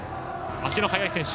足の速い選手。